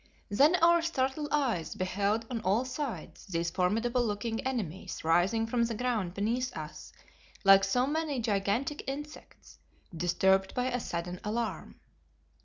Then our startled eyes beheld on all sides these formidable looking enemies rising from the ground beneath us like so many gigantic insects, disturbed by a sudden alarm.